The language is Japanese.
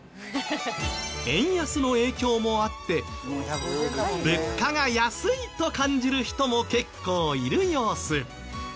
円安の影響もあって物価が安いと感じる人も結構いる様子。